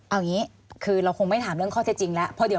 เอาอย่างนี้คือเราคงไม่ถามเรื่องข้อเท็จจริงแล้ว